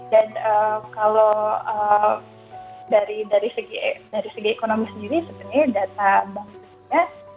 dan kalau dari segi ekonomi sendiri sebenarnya data banknya